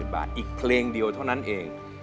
บาทอีกเพลงเดียวเท่านั้นเอง